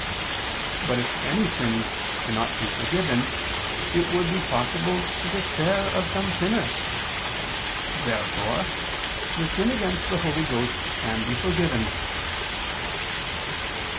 But if any sin cannot be forgiven, it would be possible to despair of some sinners. Therefore the sin against the Holy Ghost can be forgiven.